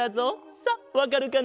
さあわかるかな？